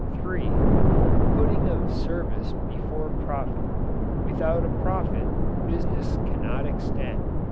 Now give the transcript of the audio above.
(3) The putting of service before profit. Without a profit, business cannot extend.